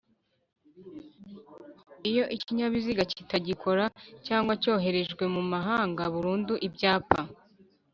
Iyo ikinyabiziga kitagikora cyangwa cyoherejwe mu mahanga burundu ibyapa